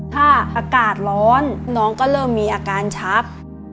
ถ้าอากาศร้อนน้องก็เริ่มมีอาการชัก